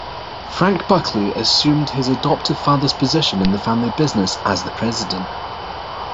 Frank Buckley assumed his adoptive father's position in the family business as the president.